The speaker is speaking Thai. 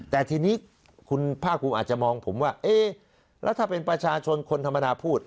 แต่ทีนี้คุณภาคภูมิอาจจะมองผมว่าเอ๊ะแล้วถ้าเป็นประชาชนคนธรรมดาพูด